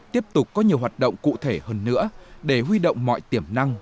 tiếp tục có nhiều hoạt động cụ thể hơn nữa để huy động mọi tiềm năng